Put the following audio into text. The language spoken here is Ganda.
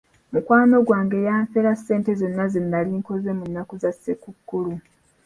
Mukwano gwange yanfera ssente zonna ze nali nkoze mu nnaku za ssekukkulu.